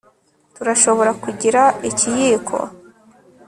turashobora kugira ikiyiko